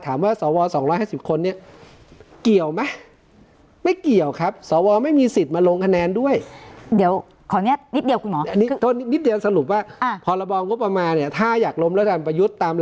ถามว่าสวสองร้อยห้าสิบคนเนี่ยเกี่ยวไหม